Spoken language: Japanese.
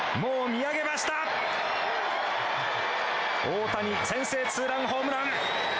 大谷先制２ランホームラン。